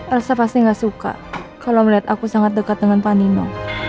elsa pasti nggak suka kalau melihat aku sangat dekat dengan panino